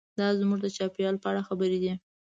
دا زموږ د چاپیریال په اړه خبرې دي.